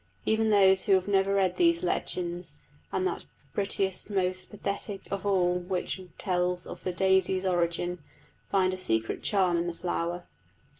Even those who have never read these legends and that prettiest, most pathetic of all which tells of the daisy's origin, find a secret charm in the flower.